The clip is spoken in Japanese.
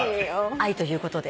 愛ということで。